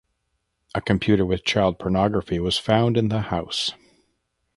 A computer with child pornography was found in the house.